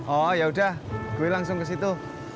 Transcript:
oh yaudah gue langsung kesitu